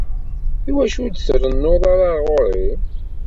Iwacu ur d-trennuḍ ara ɣer ɣur-i?